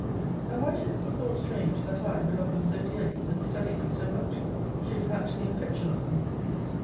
And why should it be thought strange, that I, who love them so dearly, and study them so much, should catch the infection of them?